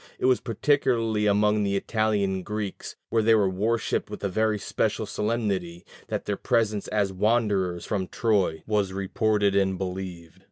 It was particularly among the Italian Greeks, where they were worshipped with very special solemnity, that their presence as wanderers from Troy was reported and believed.